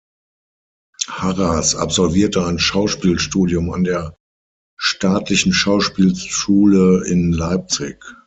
Harras absolvierte ein Schauspielstudium an der staatlichen Schauspielschule in Leipzig.